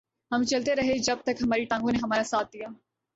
ہم چلتے رہے جب تک ہماری ٹانگوں نے ہمارا ساتھ دیا